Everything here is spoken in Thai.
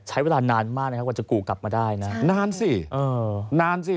ใช้เวลานานมากนะครับกว่าจะกูกลับมาได้นะนานสิเออนานสิ